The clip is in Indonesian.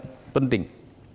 jadi sangat penting